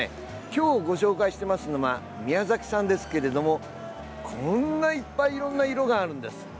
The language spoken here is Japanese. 今日、ご紹介しているのは宮崎産ですけれどもこんないっぱいいろんな色があるんです。